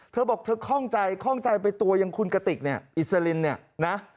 เธอบอกเธอคล่องใจคล่องใจไปตัวอย่างคุณกติกเนี่ยอิสลินเนี่ยนะ